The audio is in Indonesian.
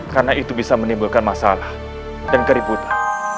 karena itu bisa menimbulkan masalah dan keributan